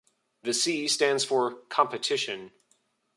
The "C" stands for "competition".